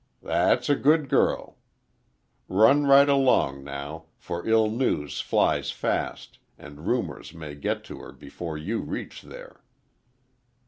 "That's a good girl. Run right along, now, for ill news flies fast, and rumors may get to her before you reach there."